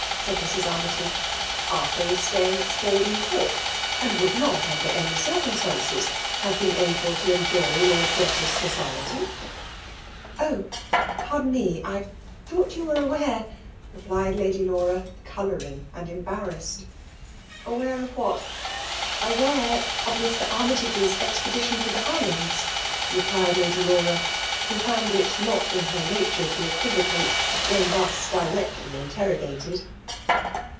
'* s«id Mrs. Armytage. '' Artfalir is sfiiy iog;^ at Spalding Court, and would not^ under waai^ cimnQstanees, have been able to evqoj ■* liord Greta's society/* *♦ Oh ! pardon me, — I thought you were avar^^ —" replied Lady Laura^ colouring and embarrassed. '* Aware of what?" ^' Aware of Mr. Armytage's expedition to the. Highlands,*^ replied Lady Laura> who fp^hd it not in her nature to equivocate, when thus directly interrogated.